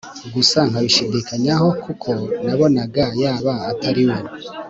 gusa nkabishidikanyaho kuko nabonaga yaba atariwe